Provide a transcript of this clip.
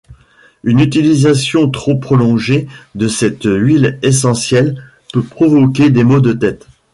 Une utilisation trop prolongée de cette huile essentielle peut provoquer des maux de tête.